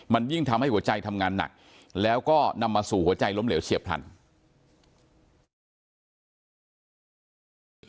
มันยิ่งทำให้หัวใจทำงานหนักแล้วก็นำมาสู่หัวใจล้มเหลวเฉียบพลัน